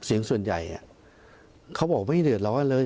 เสียงส่วนใหญ่เขาบอกไม่เดือดร้อนเลย